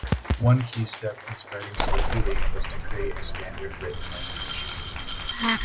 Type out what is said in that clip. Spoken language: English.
One key step in spreading Swahili was to create a standard written language.